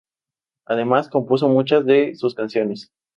Además, compuso muchas de sus canciones.